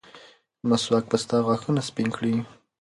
مسواک به ستا غاښونه سپین کړي.